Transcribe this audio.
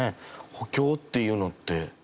補強っていうのって。